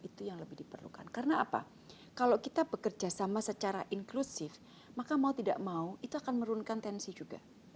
itu yang lebih diperlukan karena apa kalau kita bekerja sama secara inklusif maka mau tidak mau itu akan menurunkan tensi juga